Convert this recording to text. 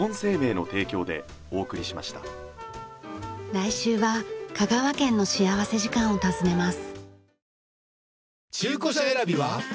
来週は香川県の幸福時間を訪ねます。